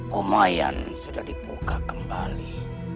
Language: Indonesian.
kumayan sudah dibuka kembali